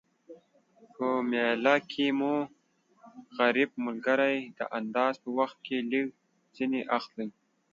په میله کی مو غریب ملګري د انداز په وخت کي لږ ځیني اخلٸ